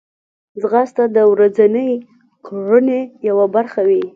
ځغاسته د ورځنۍ کړنې یوه برخه وي